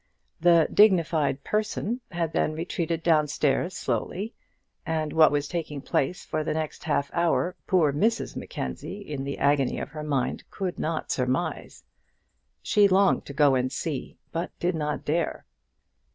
The dignified person had then retreated downstairs slowly, and what was taking place for the next half hour poor Mrs Mackenzie, in the agony of her mind, could not surmise. She longed to go and see, but did not dare.